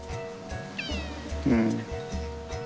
うん。